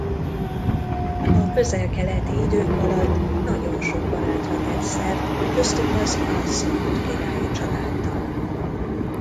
A Közel-Keleti idők alatt nagyon sok barátra tett szert köztük az Al-Saud királyi családdal.